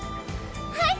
はい！